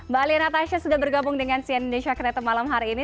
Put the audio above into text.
mbak alia natasya sudah bergabung dengan cnn indonesia ketutup malam hari ini